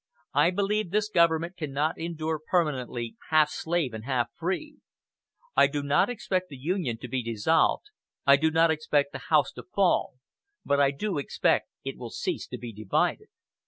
"I believe this government cannot endure permanently half slave and half free. I do not expect the Union to be dissolved, I do not expect the house to fall but I do expect it will cease to be divided.